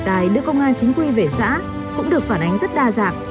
tài đưa công an chính quy về xã cũng được phản ánh rất đa dạng